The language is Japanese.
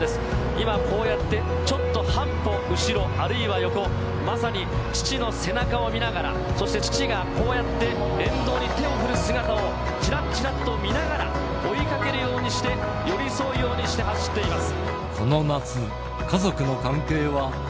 今、こうやってちょっと半歩後ろ、あるいは横、まさに父の背中を見ながら、そして父がこうやって沿道に手を振る姿を、ちらっ、ちらっと見ながら、追いかけるようにして、寄り添うようにして走っています。